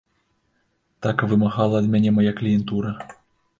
Так вымагала ад мяне мая кліентура.